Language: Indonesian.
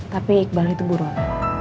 tapi iqbal itu buruan